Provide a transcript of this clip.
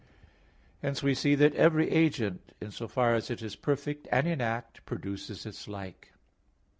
Hence we see that every agent, in so far as it is perfect and in act, produces its like.